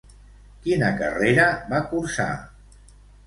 Quina carrera va cursar?